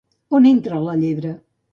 On entra la llebre?